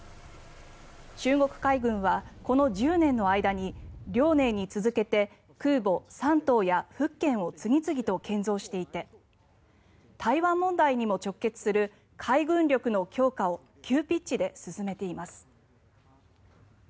中国海軍はこの１０年の間に「遼寧」に続けて空母「山東」や「福建」を次々と建造していて台湾問題にも直結する海軍力の強化を急ピッチで進めています。